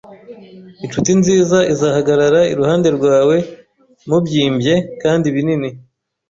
Inshuti nziza izahagarara iruhande rwawe mubyimbye kandi binini.